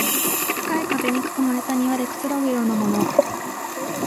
高い壁に囲まれた庭でくつろぐようなもの